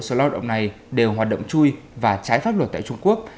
những người lao động này đều hoạt động chui và trái pháp luật tại trung quốc